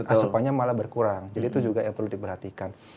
asupannya malah berkurang jadi itu juga yang perlu diperhatikan